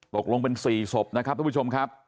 ตกลงเป็น๔ศพนะครับทุกผู้ชมครับ